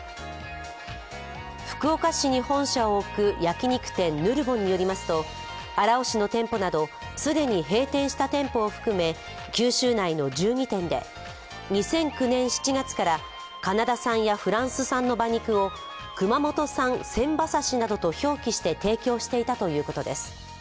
福岡市に本社を置く焼き肉店ヌルボンによりますと荒尾市の店舗など既に閉店した店舗を含め九州内の１２店で２００９年７月からカナダ産やフランス産の馬肉を熊本産鮮馬刺などと表記して提供していたということです。